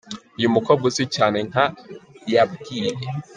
Uyu mukobwa uzwi cyane nka yabwiye.